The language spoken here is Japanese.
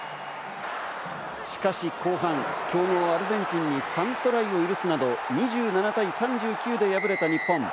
しかし後半、強豪アルゼンチンに３トライを許すなど、２７対３９で敗れた日本。